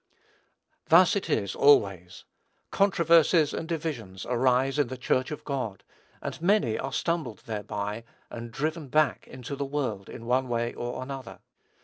Thus it is always: controversies and divisions arise in the Church of God, and many are stumbled thereby, and driven back into the world, in one way or another.